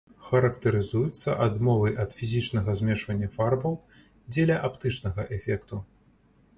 Характарызуецца адмовай ад фізічнага змешвання фарбаў дзеля аптычнага эфекту.